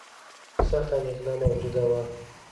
سخته اندېښنه موجوده وه.